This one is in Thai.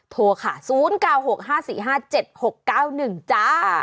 โทรค่ะ๐๙๖๕๔๕๗๖๙๑จ้า